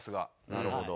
なるほど。